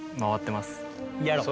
やろう。